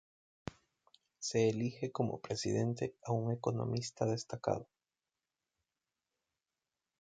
Se elige como presidente a un economista destacado.